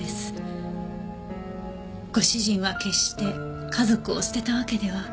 ご主人は決して家族を捨てたわけでは。